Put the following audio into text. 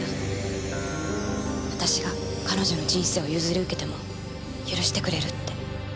私が彼女の人生を譲り受けても許してくれるって。